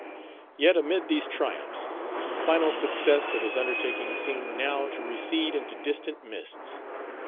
Yet amid these triumphs, the final success of his undertaking seemed now to recede into distant mists.